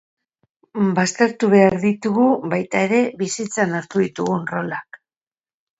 Baztertu behar ditugu, baita ere, bizitzan hartu ditugun rolak.